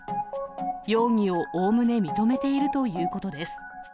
容疑をおおむね認めているということです。